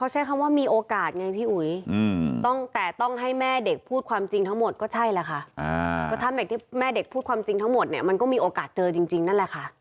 อ่าก็ถ้าแบบที่แม่เด็กพูดความจริงทั้งหมดเนี้ยมันก็มีโอกาสเจอจริงจริงนั่นแหละค่ะ